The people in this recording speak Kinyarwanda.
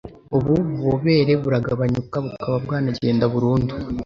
ubu bubobere buragabanyuka bukaba bwanagenda burundu.